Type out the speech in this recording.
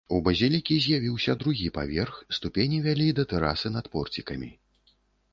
У базілікі з'явіўся другі паверх, ступені вялі да тэрасы над порцікамі.